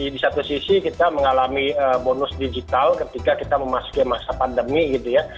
di satu sisi kita mengalami bonus digital ketika kita memasuki masa pandemi gitu ya